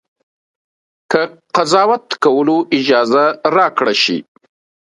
که قضاوت کولو اجازه راکړه شي.